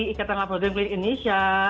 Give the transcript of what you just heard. ikatan laboratorium klinik indonesia